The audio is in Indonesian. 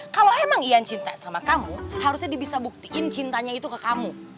kalau emang ian cinta sama kamu harusnya bisa buktiin cintanya itu ke kamu